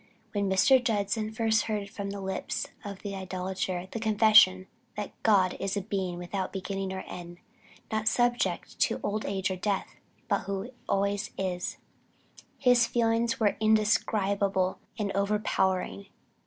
When Mr. Judson first heard from the lips of an idolater the confession that "God is a Being without beginning or end, not subject to old age or death, but who always is," his feelings were indescribable and overpowering.